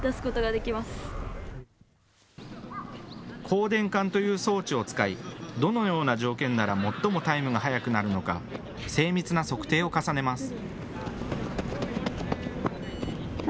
光電管という装置を使いどのような条件なら最もタイムが速くなるのか精密な測定を重ねます。